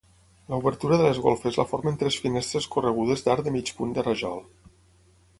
L'obertura de les golfes la formen tres finestres corregudes d'arc de mig punt de rajol.